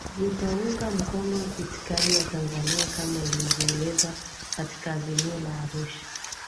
vitaunga mkono itikadi ya Tanzania kama ilivyoelezwa katika Azimio la Arusha